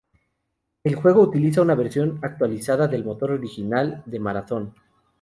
El juego utiliza una versión actualizada del motor original de "Marathon".